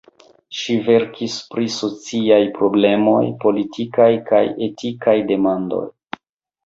Ŝi verkis pri sociaj problemoj, politikaj kaj etikaj demandoj.